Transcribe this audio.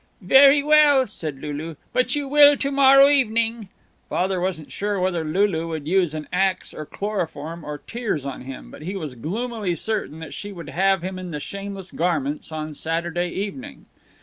"Very well," said Lulu, "but you will to morrow evening." Father wasn't sure whether Lulu would use an ax or chloroform or tears on him, but he was gloomily certain that she would have him in the shameless garments on Saturday evening.